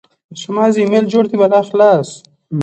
اوښ د افغانستان د صادراتو برخه ده.